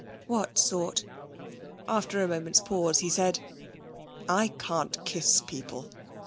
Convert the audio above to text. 'What sort?' After a moment's pause he said: 'I can't kiss people.'